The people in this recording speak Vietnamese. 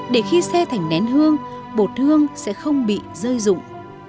để khi xe thành nén hương bột hương sẽ không bị rơi rụng